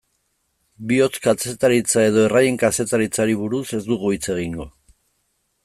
Bihotz-kazetaritza edo erraien kazetaritzari buruz ez dugu hitz egingo.